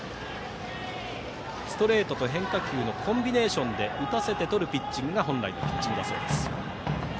ストレートと変化球のコンビネーションで打たせてとるピッチングが本来のピッチングだそうです。